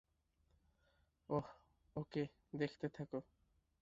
ওহ, okay, দেখতে থাকো।